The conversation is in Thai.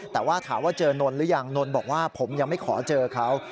แต่ว่าถามว่าเจอนนหรือยังนนบอกว่าผมยังไม่ขอเจอเขา